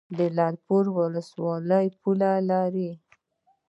لعل پورې ولسوالۍ پوله ده؟